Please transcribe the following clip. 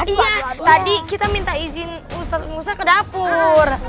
iya tadi kita minta izin ustadz musa ke dapur